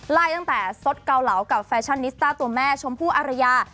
ไล่ตั้งแต่สดเกาเหลากับแฟชั่นนิสต้าตัวแม่ชมพู่อารยา